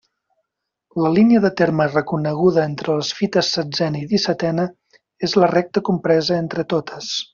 La línia de terme reconeguda entre les fites setzena i dissetena és la recta compresa entre totes.